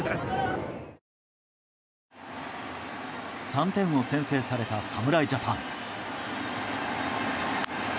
３点を先制された侍ジャパン。